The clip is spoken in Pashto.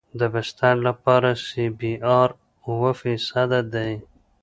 د بستر لپاره سی بي ار اوه فیصده دی